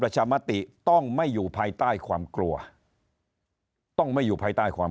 ประชามติต้องไม่อยู่ภายใต้ความกลัวต้องไม่อยู่ภายใต้ความ